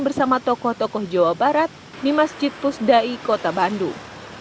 bersama tokoh tokoh jawa barat di masjid pusdai kota bandung